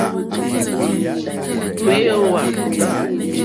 Wɛ̄ ǒ wàà.